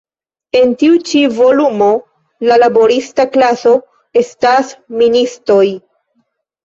En tiu ĉi volumo, la laborista klaso estas ministoj.